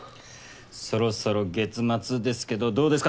そろそろ月末ですけどどうですか？